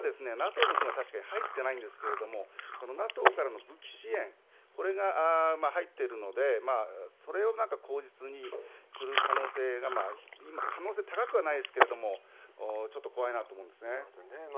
今、ＮＡＴＯの軍は確かに入ってないんですけれども、そのＮＡＴＯからの武器支援、これが入っているので、それをなんか口実にする可能性が、今、可能性高くはないですけれども、ちょっと怖いなと思うんですね。